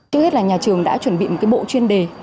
trước hết là nhà trường đã chuẩn bị một bộ chuyên đề